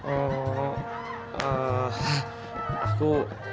oh eh aku